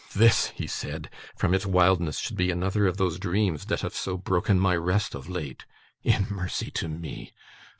'This,' he said, 'from its wildness, should be another of those dreams that have so broken my rest of late. In mercy to me!